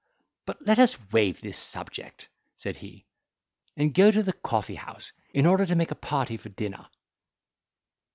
"But let us waive this subject," said he, "and go to the coffee house, in order to make a party for dinner."